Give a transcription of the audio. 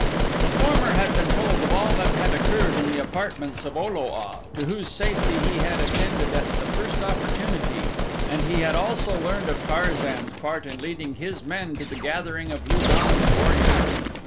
The former had been told of all that had occurred in the apartments of O lo a to whose safety he had attended at the first opportunity and he had also learned of Tarzan's part in leading his men to the gathering of Lu don's warriors.